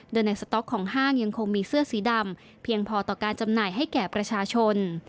โดยในสต๊อกของห้างยังคงมีเสื้อสีดำเพียงพอต่อการจำหน่ายให้แก่ประชาชน